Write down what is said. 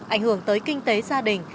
ảnh hưởng tới kinh tế gia đình